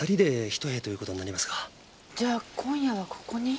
じゃ今夜はここに。